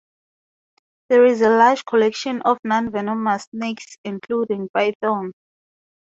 There is also a large collection of non-venomous snakes including pythons.